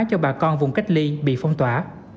cho bà con vùng cách ly bị phong tỏa